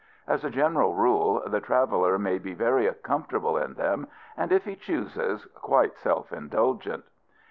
As a general rule, the traveler may be very comfortable in them, and, if he chooses, quite self indulgent.